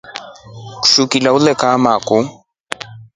Kishu Kilya ule kama kuu.